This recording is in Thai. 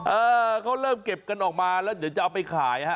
เออเขาเริ่มเก็บกันออกมาแล้วเดี๋ยวจะเอาไปขายฮะ